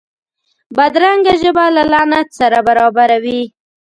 بدرنګه ژبه له لعنت سره برابره وي